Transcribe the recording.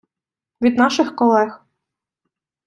від наших колег.